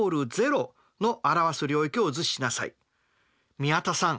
宮田さん